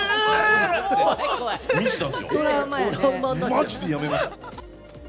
マジでやめました。